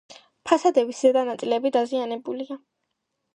ფასადების ზედა ნაწილები დაზიანებულია.